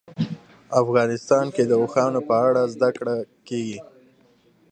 افغانستان کې د اوښانو په اړه زده کړه کېږي.